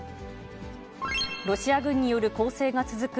ロシア軍による攻勢が続く